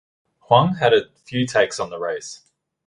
Huang had a few takes on race.